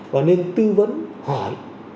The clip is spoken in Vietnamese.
và nên tư vấn hỏi